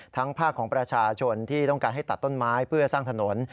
ภาคของประชาชนที่ต้องการให้ตัดต้นไม้เพื่อสร้างถนน